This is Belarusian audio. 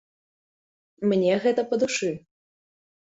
Мне гэта па душы.